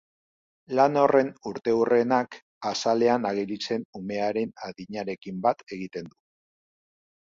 Lan horren urteurrenak azalean ageri zen umearen adinarekin bat egiten du.